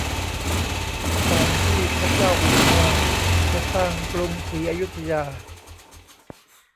ก่อนที่พระเจ้าอู่ทองจะสร้างกรุงศรีอยุธยา